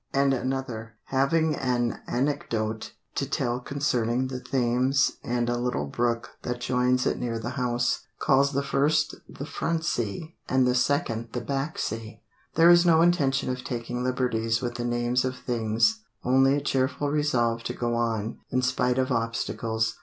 And another, having an anecdote to tell concerning the Thames and a little brook that joins it near the house, calls the first the "front sea" and the second the "back sea." There is no intention of taking liberties with the names of things only a cheerful resolve to go on in spite of obstacles.